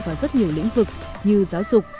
vào rất nhiều lĩnh vực như giáo dục